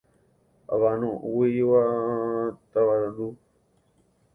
Avano'õguigua tavarandu.